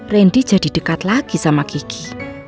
rendi jadi dekat lagi sama kiki